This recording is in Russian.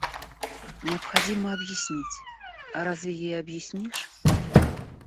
Необходимо объяснить, а разве ей объяснишь?